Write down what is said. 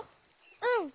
うん。